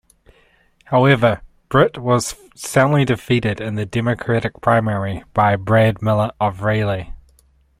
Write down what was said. However, Britt was soundly defeated in the Democratic primary by Brad Miller of Raleigh.